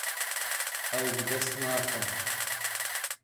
Ew bi dest naxe.